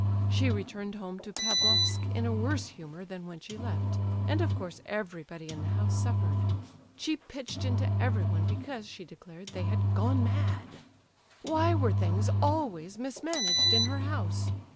She returned home to Pavlofsk in a worse humour than when she left, and of course everybody in the house suffered. She pitched into everyone, because, she declared, they had 'gone mad.' Why were things always mismanaged in her house?